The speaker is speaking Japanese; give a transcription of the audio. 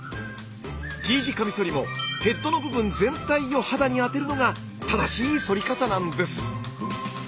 Ｔ字カミソリもヘッドの部分全体を肌に当てるのが正しいそり方なんです。